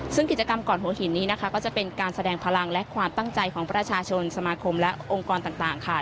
ซึ่งกิจกรรมก่อนหัวหินนี้นะคะก็จะเป็นการแสดงพลังและความตั้งใจของประชาชนสมาคมและองค์กรต่างค่ะ